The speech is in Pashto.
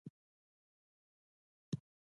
پښتون یو افغان قوم دی.